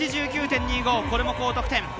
８９．２５、これも高得点。